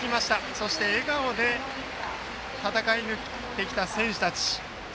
そして笑顔で戦い抜いてきた選手たち。